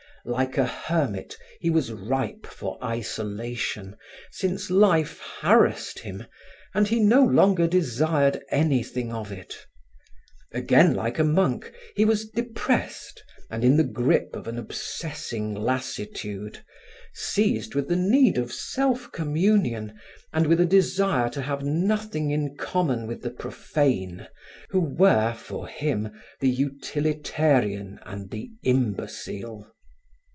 Like a hermit he was ripe for isolation, since life harassed him and he no longer desired anything of it. Again like a monk, he was depressed and in the grip of an obsessing lassitude, seized with the need of self communion and with a desire to have nothing in common with the profane who were, for him, the utilitarian and the imbecile.